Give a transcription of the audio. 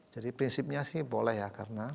jadi prinsipnya sih boleh ya karena